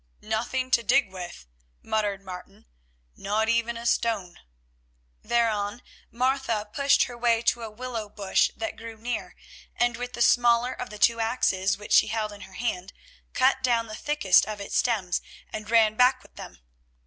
"Nothing to dig with," muttered Martin, "not even a stone." Thereon Martha pushed her way to a willow bush that grew near, and with the smaller of the two axes, which she held in her hand, cut down the thickest of its stems and ran back with them.